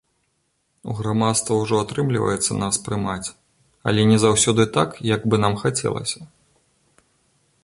У грамадства ўжо атрымліваецца нас прымаць, але не заўсёды так, як бы нам хацелася.